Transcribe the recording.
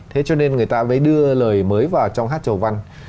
thế cho nên người ta mới đưa lời mới vào trong hát trầu văn